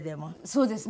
そうですね。